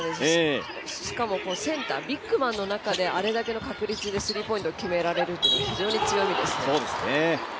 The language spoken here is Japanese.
しかもセンター、ビッグマンの中であれだけの確率でスリーポイントを決められるのは非常に強みです。